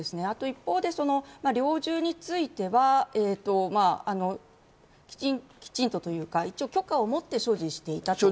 あと一方で猟銃については、きちんとというか一応、許可を持って所持していた。